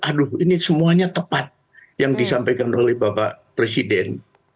aduh ini semuanya tepat yang disampaikan oleh bapak presiden